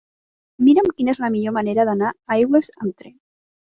Mira'm quina és la millor manera d'anar a Aigües amb tren.